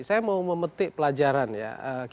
saya mau memetik pelajaran ya